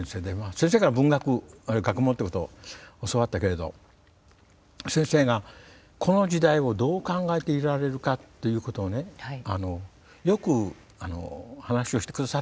先生から文学あるいは学問ってことを教わったけれど先生がこの時代をどう考えていられるかっていうことをねよく話をしてくださる方でした。